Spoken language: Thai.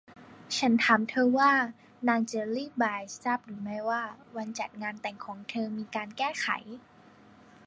ฉันถามเธอว่า นางเจลลีบายทราบหรือไม่ว่าวันจัดงานแต่งของเธอมีการแก้ไข